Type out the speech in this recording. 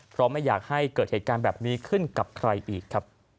เพราะไม่อยากให้เกิดเหตุการณ์แบบนี้ขึ้นกับใครอีกครับ